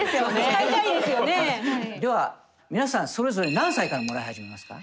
では皆さんそれぞれ何歳からもらい始めますか？